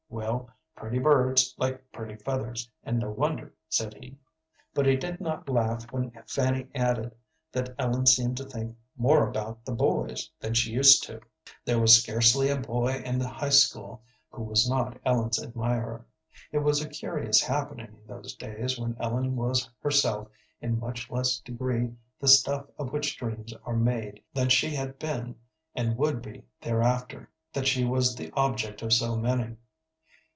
"Well, pretty birds like pretty feathers, and no wonder," said he. But he did not laugh when Fanny added that Ellen seemed to think more about the boys than she used to. There was scarcely a boy in the high school who was not Ellen's admirer. It was a curious happening in those days when Ellen was herself in much less degree the stuff of which dreams are made than she had been and would be thereafter, that she was the object of so many.